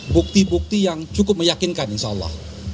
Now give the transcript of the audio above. bukti bukti yang cukup meyakinkan insyaallah